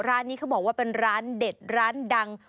ร้านนี้เขาบอกว่าเป็นร้านเด็ดร้านดัง